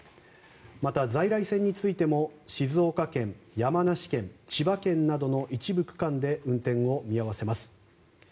また、在来線についても静岡県、山梨県、千葉県などの一部区間で運転を見合わせます。